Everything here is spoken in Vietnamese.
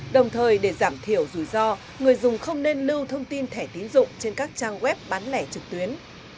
đồng thời để giảm thiểu rủi ro người dùng không nên lưu thông tin thẻ tiến dụng trên các trang web bán lẻ trực tuyến